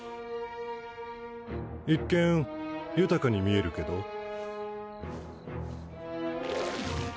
一見豊かに見えるけど？